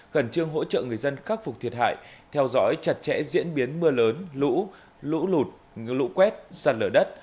gần chương hỗ trợ người dân khắc phục thiệt hại theo dõi chặt chẽ diễn biến mưa lớn lũ lũ lụt lũ quét sạt lở đất